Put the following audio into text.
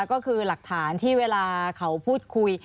ก็คือหลักฐานที่เวลาเขาพูดคุย